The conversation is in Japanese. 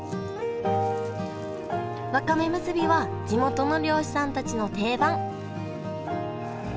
わかめむすびは地元の漁師さんたちの定番へえ。